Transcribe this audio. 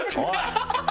ハハハハ！